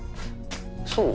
そう？